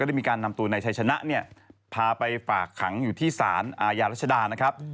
ได้มีการนำตัวนายชัยชนะเนี่ยพาไปฝากขังอยู่ที่สารอาญารัชดานะครับ